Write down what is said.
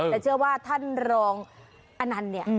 แต่เชื่อว่าท่านรองอนันต์เนี่ย